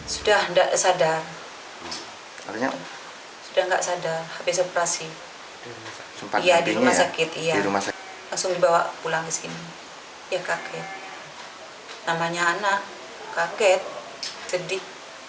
ya kaget namanya anak kaget sedih